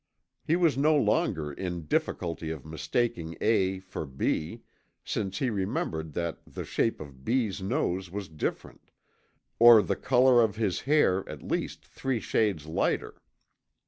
He was no longer in difficulty of mistaking A for B, since he remembered that the shape of B's nose was different, or the color of his hair at least three shades lighter.